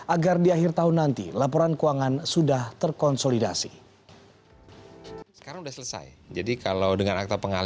agar di akhir tahun nanti laporan keuangan nasional